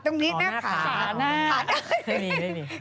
ตรงนี้หน้าขาขาหน้าไม่มี